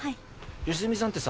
吉住さんってさ